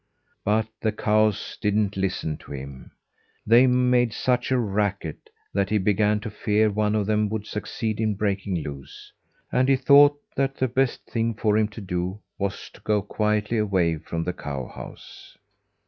But the cows didn't listen to him. They made such a racket that he began to fear one of them would succeed in breaking loose; and he thought that the best thing for him to do was to go quietly away from the cowhouse.